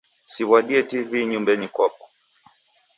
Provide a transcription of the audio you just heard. Siw'adie TV nyumbenyi mkwapo.